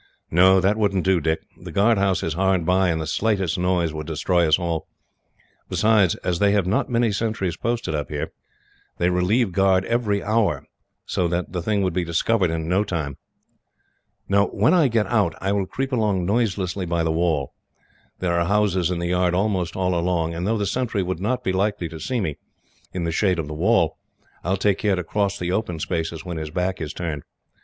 "No, that wouldn't do, Dick. The guard house is hard by, and the slightest noise would destroy us all. Besides, as they have not many sentries posted up here, they relieve guard every hour, so that the thing would be discovered in no time. "No; when I get out I will creep along noiselessly by the wall. There are houses in the yard almost all along, and though the sentry would not be likely to see me, in the shade of the wall, I will take care to cross the open spaces when his back is turned.